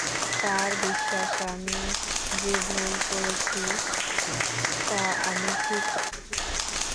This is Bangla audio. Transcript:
তার বিশ্বাস, আমি যে ভুল করেছি তা আমি ঠিক করতে পারব।